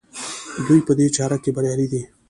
دوی په دې چاره کې بریالي دي.